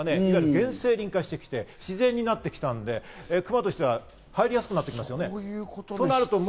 原生林化して、自然になってきたんで、クマとしては入りやすくなってますね。